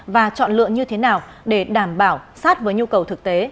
và chọn lựa như thế nào để đảm bảo sát với nhu cầu thực tế